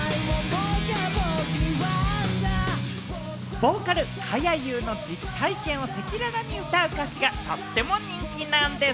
ボーカル・かやゆーの実体験を赤裸々に歌う歌詞がとっても人気なんです。